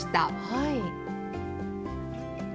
はい。